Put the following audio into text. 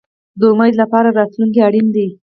د امید لپاره راتلونکی اړین دی